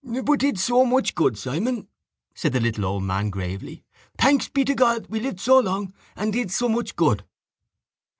—But did so much good, Simon, said the little old man gravely. Thanks be to God we lived so long and did so much good.